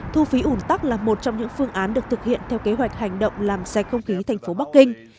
thu phí ủn tắc là một trong những phương án được thực hiện theo kế hoạch hành động làm sạch không khí thành phố bắc kinh